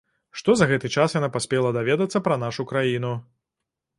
Што за гэты час яна паспела даведацца пра нашу краіну?